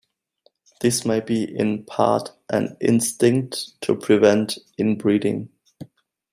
This may be in part an instinct to prevent inbreeding.